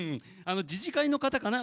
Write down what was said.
自治会の方かな？